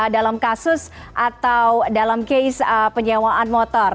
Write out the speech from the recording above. dalam kasus atau dalam case penyewaan motor